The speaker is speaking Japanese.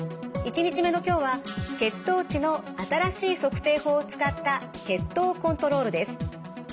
１日目の今日は血糖値の新しい測定法を使った血糖コントロールです。